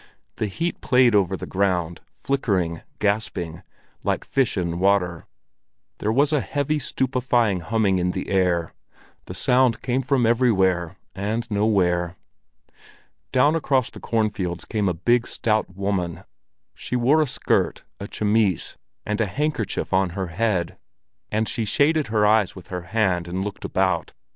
The heat played over the ground, flickering, gasping, like a fish in water. There was a heavy, stupefying humming in the air; the sound came from everywhere and nowhere. Down across the cornfields came a big, stout woman. She wore a skirt, a chemise, and a handkerchief on her head, and she shaded her eyes with her hand and looked about.